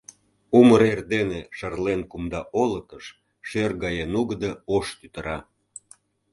Умыр эрдене шарлен кумда олыкыш Шӧр гае нугыдо ош тӱтыра.